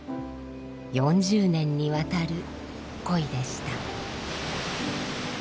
４０年にわたる恋でした。